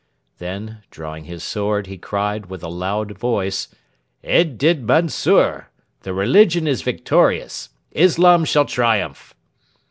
Then, drawing his sword, he cried with a loud voice: 'Ed din mansur! The religion is victorious! Islam shall triumph!'